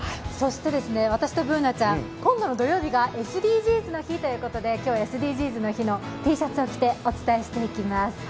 私とＢｏｏｎａちゃん、今度の土曜日が「ＳＤＧｓの日」ということで今日、ＳＤＧｓの日のＴシャツを着てお伝えしていきます。